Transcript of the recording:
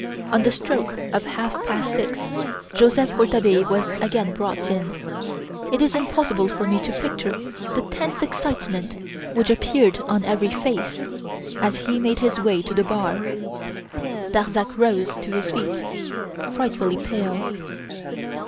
On the stroke of half past six Joseph Rouletabille was again brought in. It is impossible for me to picture the tense excitement which appeared on every face, as he made his way to the bar. Darzac rose to his feet, frightfully pale.